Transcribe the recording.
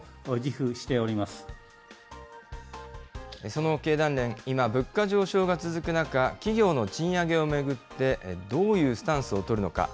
その経団連、今、物価上昇が続く中、企業の賃上げを巡って、どういうスタンスを取るのか。